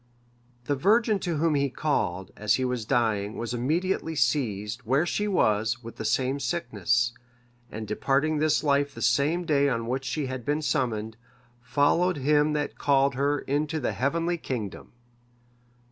The virgin, to whom he called, as he was dying, was immediately seized, where she was, with the same sickness, and departing this life the same day on which she had been summoned, followed him that called her into the heavenly kingdom.